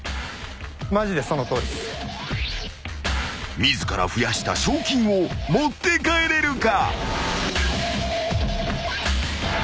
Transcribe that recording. ［自ら増やした賞金を持って帰れるか？］